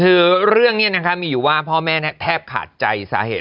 คือเรื่องนี้มีที่แปลว่าพ่อแม่แทบขาดใจขึ้น